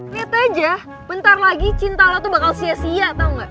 liat aja bentar lagi cinta lo tuh bakal sia sia tau gak